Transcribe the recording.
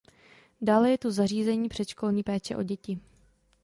Dále je tu zařízení předškolní péče o děti.